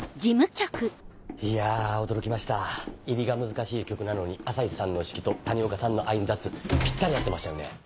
いや驚きました入りが難しい曲なのに朝陽さんの指揮と谷岡さんのアインザッツぴったり合ってましたよね。